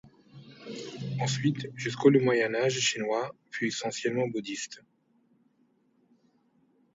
Ensuite jusqu’au le Moyen Âge chinois fut essentiellement bouddhiste.